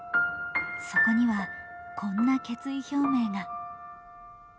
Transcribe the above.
そこにはこんな決意表明が。